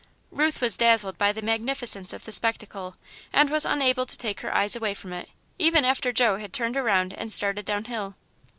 Ruth was dazzled by the magnificence of the spectacle and was unable to take her eyes away from it, even after Joe had turned around and started down hill.